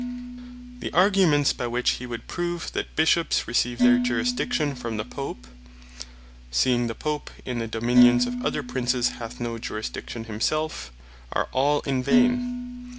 The arguments by which he would prove, that Bishops receive their Jurisdiction from the Pope (seeing the Pope in the Dominions of other Princes hath no Jurisdiction himself,) are all in vain.